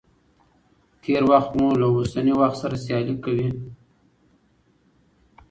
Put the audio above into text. تېر وخت مو له اوسني وخت سره سيالي کوي.